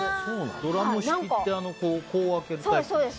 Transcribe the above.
ドラム式ってこう開けるタイプ？